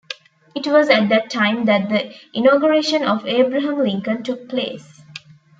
It was at that time that the inauguration of Abraham Lincoln took place.